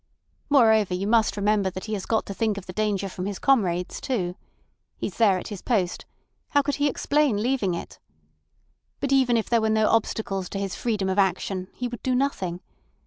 Moreover, you must remember that he has got to think of the danger from his comrades too. He's there at his post. How could he explain leaving it? But even if there were no obstacles to his freedom of action he would do nothing.